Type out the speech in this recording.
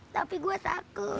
tapi gua takut